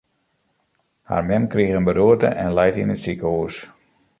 Har mem krige in beroerte en leit yn it sikehús.